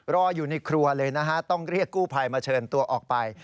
รออยู่ในครัวเลยนะฮะต้องเรียกกู้ภัยมาเชิญตัวออกไป